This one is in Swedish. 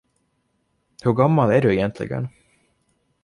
Hur gammal är du egentligen?